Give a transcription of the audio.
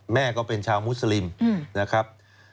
แม่ก็เป็นชาวมุสลิมนะครับ